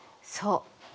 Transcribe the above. そう。